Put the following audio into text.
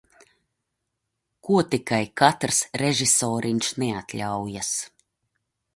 Ko tikai katrs režisoriņš neatļaujas!